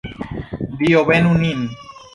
Dio benu nin!